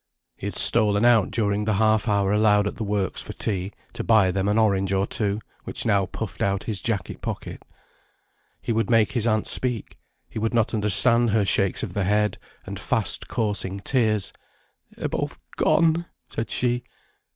He had stolen out during the half hour allowed at the works for tea, to buy them an orange or two, which now puffed out his jacket pocket. He would make his aunt speak; he would not understand her shakes of the head and fast coursing tears. "They're both gone," said she.